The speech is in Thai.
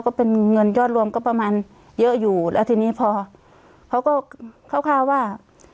ก็เป็นเงินยอดรวมก็ประมาณเยอะอยู่แล้วทีนี้พอเขาก็คร่าวว่า